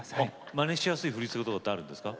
まねしやすい振り付けとかあるんですか？